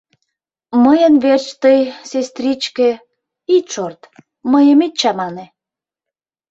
— Мыйын верч тый, сестричке, ит шорт, мыйым ит чамане.